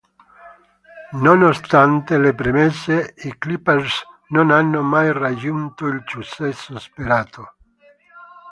Nonostante le premesse, i Clippers non hanno mai raggiunto il successo sperato.